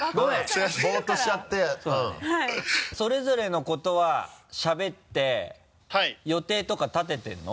それぞれの子とはしゃべって予定とか立ててるの？